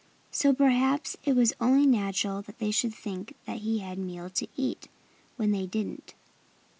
So perhaps it was only natural that they should think he had meal to eat when they didn't.